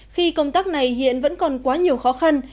khi công tác này hiện vẫn còn quá nhiều khó khăn